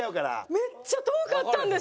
めっちゃ遠かったんです。